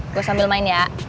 gue sambil main ya